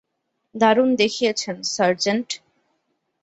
দারুণ দেখিয়েছেন, সার্জেন্ট।